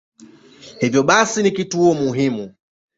Hivyo basi ni kituo muhimu.